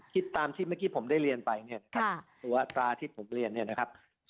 คิดตามที่เมื่อกี้ผมได้เรียนไปเนี่ยนะครับตัวอัตราที่ผมเรียนเนี่ยนะครับ